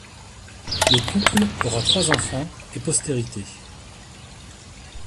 Le couple aura trois enfants, et postérité.